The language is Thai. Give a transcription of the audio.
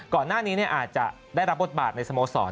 ก่อนหน้านี้อาจจะได้รับบทบาทในสโมสร